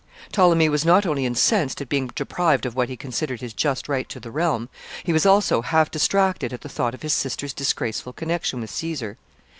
Ptolemy was not only incensed at being deprived of what he considered his just right to the realm, he was also half distracted at the thought of his sister's disgraceful connection with Caesar.